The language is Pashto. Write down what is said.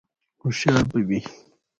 _هوښيار به وي؟